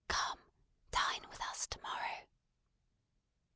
Come! Dine with us to morrow."